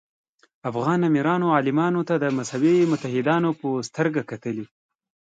افغان امیرانو عالمانو ته د مذهبي متحدانو په سترګه کتلي.